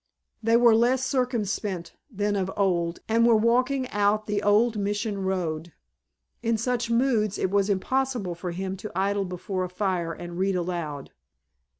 They were less circumspect than of old and were walking out the old Mission Road. In such moods it was impossible for him to idle before a fire and read aloud.